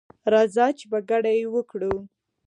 راځه چي په ګډه یې وکړو